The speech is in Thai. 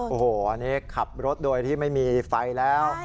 โอ้โหอันนี้ขับรถโดยที่ไม่มีไฟแล้ว